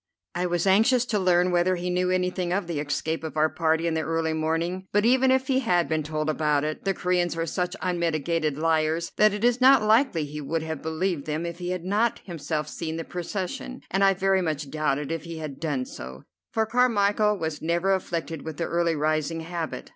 I was anxious to learn whether he knew anything of the escape of our party in the early morning; but even if he had been told about it, the Coreans are such unmitigated liars that it is not likely he would have believed them if he had not himself seen the procession, and I very much doubted if he had done so, for Carmichel was never afflicted with the early rising habit.